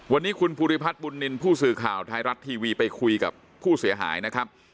วันนี้คุณภูริพัฒน์บุญนินทร์ผู้สื่อข่าวไทยรัฐทีวีไปคุยกับผู้เสียหายนะครับ